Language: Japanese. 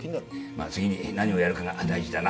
まぁ次に何をやるかが大事だな。